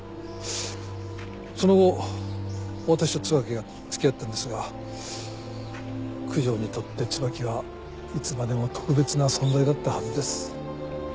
その後私と椿が付き合ったんですが九条にとって椿はいつまでも特別な存在だったはずです。